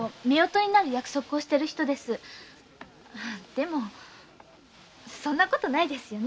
でもそんなことないですよね。